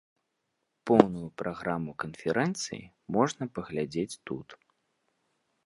Поўную праграму канферэнцыі можна паглядзець тут.